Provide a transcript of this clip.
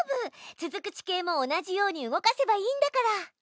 続く地形も同じように動かせばいいんだから。